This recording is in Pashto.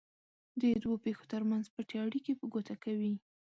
د دوو پېښو ترمنځ پټې اړیکې په ګوته کوي.